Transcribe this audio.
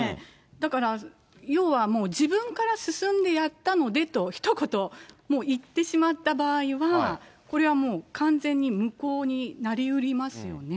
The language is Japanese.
だから、要はもう、自分から進んでやったのでと、ひと言言ってしまった場合は、これはもう完全に無効になりうりますよね。